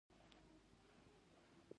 تر چار چوبه دی راغلې لېونۍ د ځوانۍ مینه